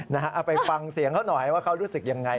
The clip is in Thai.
เอาไปฟังเสียงเขาหน่อยว่าเขารู้สึกยังไง